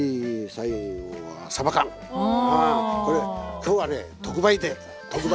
今日はね特売で特売。